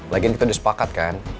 lagian kita udah sepakat kan